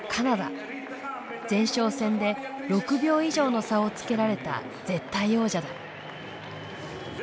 前哨戦で６秒以上の差をつけられた絶対王者だ。